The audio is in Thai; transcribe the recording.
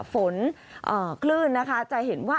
ฝนคลื่นนะคะจะเห็นว่า